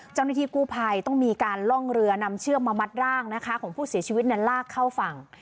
เจ้าหน้าที่กู้ภัยต้องมีการล่องเรือนำเชือกมามัดร่างนะคะของผู้เสียชีวิตลากเข้าฝั่ง